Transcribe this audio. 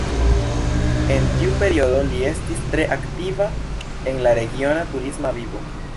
En tiu periodo li estis tre aktiva en la regiona turista vivo.